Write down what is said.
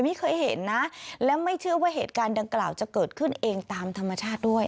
ไม่เคยเห็นนะและไม่เชื่อว่าเหตุการณ์ดังกล่าวจะเกิดขึ้นเองตามธรรมชาติด้วย